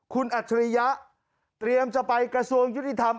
คุณอัจฉริยะเตรียมจะไปกระทรวงยุติธรรม